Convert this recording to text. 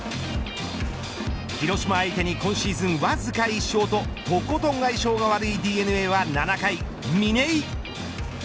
広島相手に今シーズンわずか１勝ととことん相性が悪いＤｅＮＡは７回、嶺井。